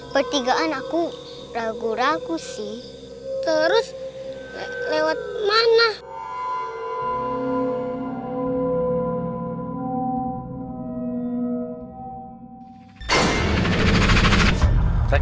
bertiga anakku ragu ragu sih terus lewat mana